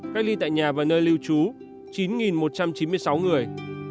cách ly tại nhà và nơi lưu trú chín một trăm chín mươi sáu người